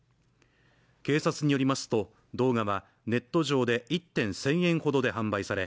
警察によりますと動画はネット上で１点１０００円ほどで販売され